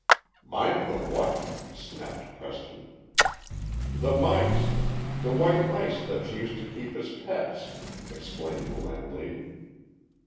"Mind the what?" snapped Preston. "The mice the white mice that she used to keep as pets," explained the landlady.